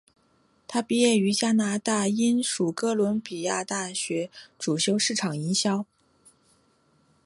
她毕业于加拿大英属哥伦比亚大学主修市场营销。